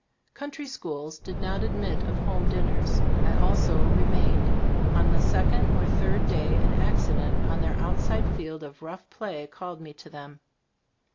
Country schools did not admit of home dinners. I also remained. On the second or third day an accident on their outside field of rough play called me to them.